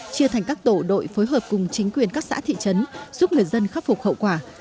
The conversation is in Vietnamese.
chia thành các tổ đội phối hợp cùng chính quyền các xã thị trấn giúp người dân khắc phục hậu quả